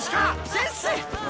先生！